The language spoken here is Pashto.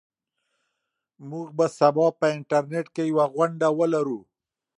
موږ به سبا په انټرنيټ کې یوه غونډه ولرو.